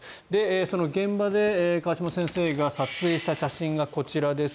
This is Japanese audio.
その現場で河島先生が撮影した写真がこちらです。